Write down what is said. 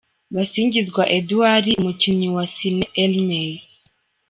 Gasinzigwa Edouard - umukinnyi wa Cine Elmay.